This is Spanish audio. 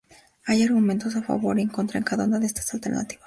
Hay argumentos a favor y en contra de cada una de estas alternativas.